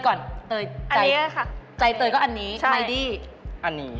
เตยใจใจเตยก็อันนี้ไหมดี้อันนี้